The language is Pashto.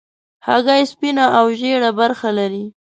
هګۍ سپینه او ژېړه برخه لري.